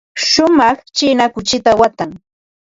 Shumaq china kuchita watan.